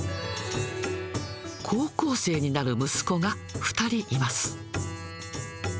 高校生になる息子が２人います。